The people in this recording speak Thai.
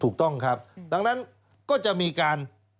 ถูกต้องครับดังนั้นก็จะมีการ